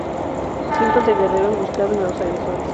Cientos de guerreros buscaron a los agresores.